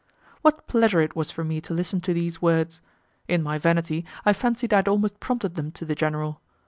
What pleasure it was for me to listen to these words! In my vanity, I fancied I had almost prompted them to the general.